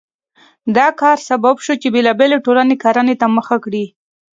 دا کار سبب شو چې بېلابېلې ټولنې کرنې ته مخه کړي.